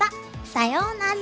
さようなら！